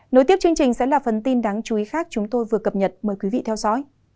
nối tiếp chương trình sẽ là phần tin đáng chú ý khác chúng tôi vừa cập nhật mời quý vị theo dõi